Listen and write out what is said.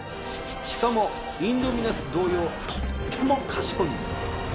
しかもインドミナス同様とっても賢いんです。